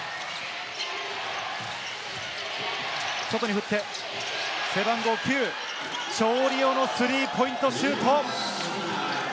外に振って背番号９、チョウリオのスリーポイントシュート。